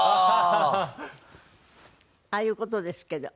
ああいう事ですけど。